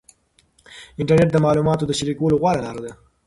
انټرنیټ د معلوماتو د شریکولو غوره لار ده.